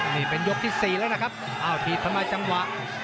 นี่เป็นยกที่๔แล้วนะครับอ้าวถีบทำลายจังหวะ